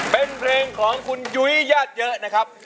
เป็นเพลงของคุณยุ้ยญาติเยอะนะครับ